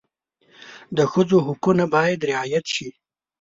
د ښځو حقونه باید رعایت شي.